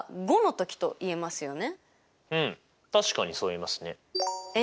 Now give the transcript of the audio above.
確かにそう言えますね。